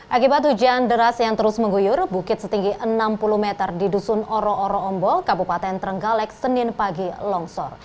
akibat hujan deras yang terus mengguyur bukit setinggi enam puluh meter di dusun oro oro ombol kabupaten trenggalek senin pagi longsor